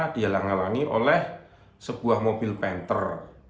dihalang halangi oleh sebuah mobil panther